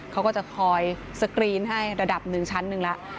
เขาก็จะคอยสกรีนให้ระดับหนึ่งชั้นหนึ่งแล้ว